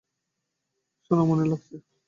শুনে অমনই লাগছে।